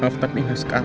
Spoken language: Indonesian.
maaf tapi mau sekarang